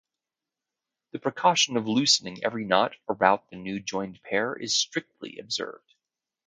The precaution of loosening every knot about the new-joined pair is strictly observed.